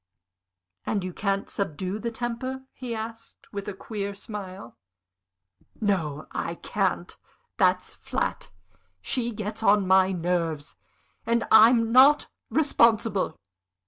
"And you can't subdue the temper?" he asked, with a queer smile. "No, I can't! That's flat. She gets on my nerves, and I'm not responsible.